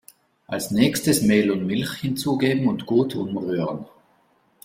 Als nächstes Mehl und Milch hinzugeben und gut umrühren.